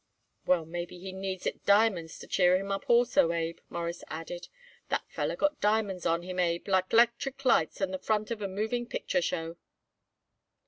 "Well, maybe he needs it diamonds to cheer him up, also, Abe," Morris added. "That feller got diamonds on him, Abe, like 'lectric lights on the front of a moving picture show."